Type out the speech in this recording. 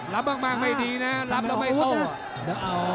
รับมากไม่โต